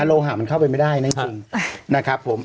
โลหะมันเข้าไปไม่ได้นะจริงนะครับผม